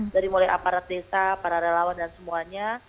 dari mulai aparat desa para relawan dan semuanya